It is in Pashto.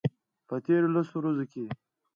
په تیرو لسو ورځو کې